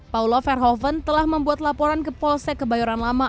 paulo verhoeven telah membuat laporan ke polsek kebayoran lama